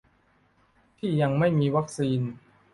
ที่ยังไม่มีวัคซีน